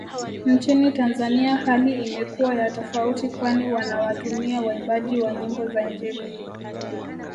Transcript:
Nchini Tanzania hali imekuwa ya tofauti kwani wanawatumia waimbaji wa nyimbo za injili